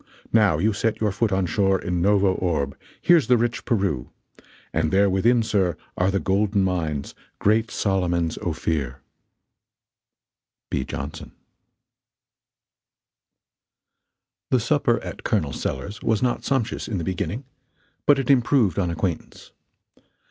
Now, you set your foot on shore In Novo Orbe; here's the rich Peru: And there within, sir, are the golden mines, Great Solomon's Ophir! B. Jonson The supper at Col. Sellers's was not sumptuous, in the beginning, but it improved on acquaintance.